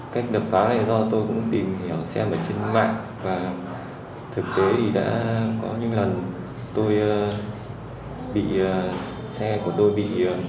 cách đập phá này do tôi cũng tìm hiểu xem ở trên mạng và thực tế thì đã có những lần tôi bị xe của tôi bị